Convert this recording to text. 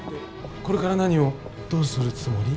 これから何をどうするつもり？